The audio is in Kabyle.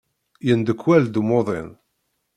Yendekwal-d umuḍin.